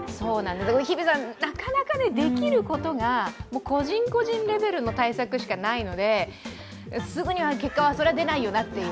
なかなかできることが個人個人レベルの対策しかないので、すぐには結果はそれは出ないよなという。